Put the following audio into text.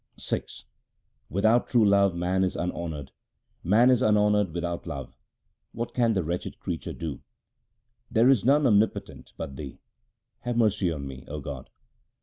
VI Without true love man 2 is unhonoured ; Man is unhonoured without love. What can the wretched creature do ? There is none omnipotent but Thee ; have mercy on me, O God.